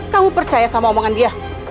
kamu percaya sama omongan dia